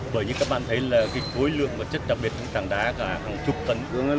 bởi như các bạn thấy là cái khối lượng và chất đặc biệt trong tràng đá là hàng chục tấn